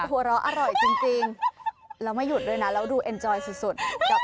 หัวเราะอร่อยจริงแล้วไม่หยุดด้วยนะแล้วดูเอ็นจอยสุดกับ